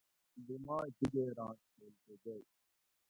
لومائ دیگیران چھیل کہ گۤئ